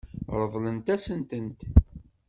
Ṛeḍlet-asent-tent.